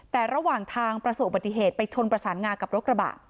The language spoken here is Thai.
แต่ระหว่างทางประสบปฏิเหตุไปชนประสานงากับรถกระบะ